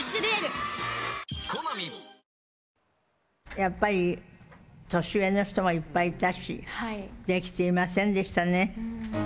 やっぱり、年上の人もいっぱいいたし、できていませんでしたね。